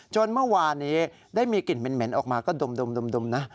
เมื่อวานนี้ได้มีกลิ่นเหม็นออกมาก็ดมนะ